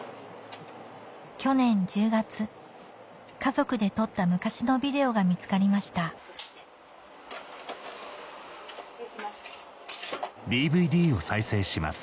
去年１０月家族で撮った昔のビデオが見つかりましたいきます。